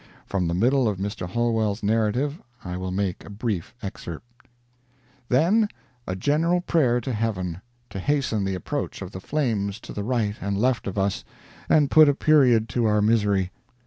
From the middle of Mr. Holwell's narrative I will make a brief excerpt: "Then a general prayer to Heaven, to hasten the approach of the flames to the right and left of us, and put a period to our misery.